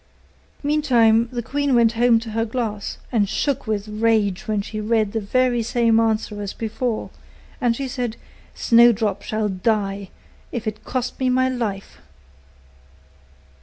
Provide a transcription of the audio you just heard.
Meantime the queen went home to her glass, and shook with rage when she read the very same answer as before; and she said, 'Snowdrop shall die, if it cost me my life.